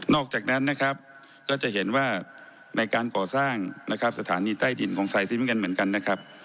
อกจากนั้นนะครับก็จะเห็นว่าในการก่อสร้างนะครับสถานีใต้ดินของไซซีเหมือนกันนะครับ